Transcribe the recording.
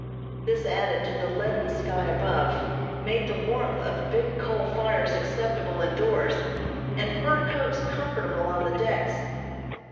This added to the leaden sky above, made the warmth of big coal fires acceptable indoors, and fur coats comfortable on the decks.